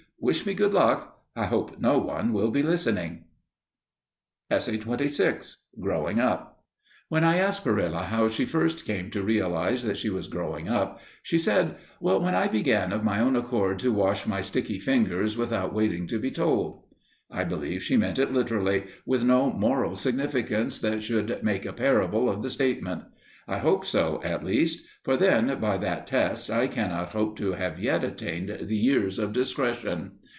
Wish me good luck! I hope no one will be listening! *Growing Up* When I asked Perilla how she first came to realize that she was growing up, she said, "When I began of my own accord to wash my sticky fingers, without waiting to be told." I believe she meant it literally, with no moral significance that should make a parable of the statement. I hope so, at least, for then by that test I cannot hope to have yet attained the years of discretion.